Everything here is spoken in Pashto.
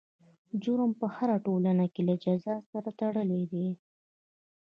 جرم په هره ټولنه کې له جزا سره تړلی دی.